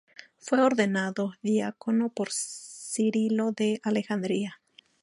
Fue ordenado diácono por Cirilo de Alejandría.